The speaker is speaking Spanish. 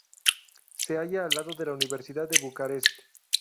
Se halla al lado de la Universidad de Bucarest.